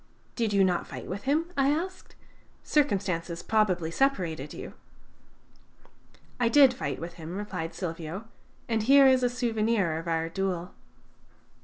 "Did you not fight with him?" I asked. "Circumstances probably separated you." "I did fight with him," replied Silvio; "and here is a souvenir of our duel."